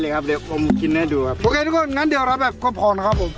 อ๋อไม่เป็นไรได้เลยครับผมกินให้ดูครับโอเคทุกคนงั้นเดี๋ยวเราแบบก็พอนะครับผม